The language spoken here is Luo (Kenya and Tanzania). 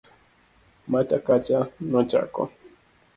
macha kacha, nochako